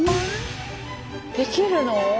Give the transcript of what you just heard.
できるの？